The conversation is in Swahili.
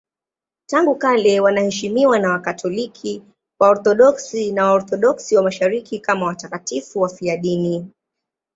Tangu kale wanaheshimiwa na Wakatoliki, Waorthodoksi na Waorthodoksi wa Mashariki kama watakatifu wafiadini.